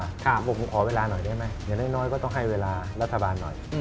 ผมขอเวลาหน่อยได้ไหมอย่างน้อยก็ต้องให้เวลารัฐบาลหน่อย